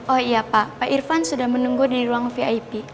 oh iya pak pak irfan sudah menunggu dari ruang vip